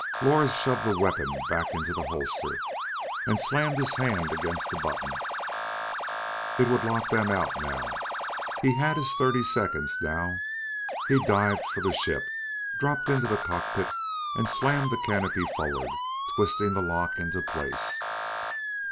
Lors shoved the weapon back into the holster and slammed his hand against the button. It would lock them out now! He had his thirty seconds now. He dived for the ship, dropped into the cockpit and slammed the canopy forward, twisting the lock into place.